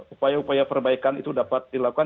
upaya upaya perbaikan itu dapat dilakukan